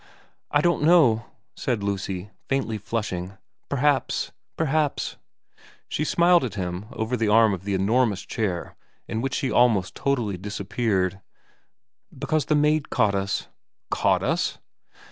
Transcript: * I don't know,' said Lucy, faintly flushing. ' Perhaps ' o 194 VERA xvn she smiled at him over the arm of the enormous chair in which she almost totally disappeared ' because the maid caught us.' ' Caught us